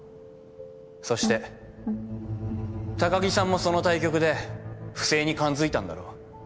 そして高城さんもその対局で不正に感づいたんだろう。